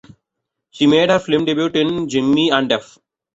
She made her film debut in "Gimme an 'F'".